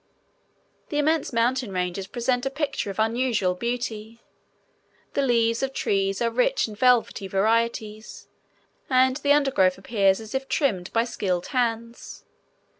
The immense mountain ranges present a picture of unusual beauty. The leaves of trees are rich in velvety varieties and the undergrowth appears as if trimmed by skilled hands.